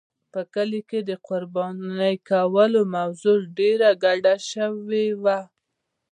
په کلي کې د قربانۍ کولو موضوع ډېره ګډه شوې وه.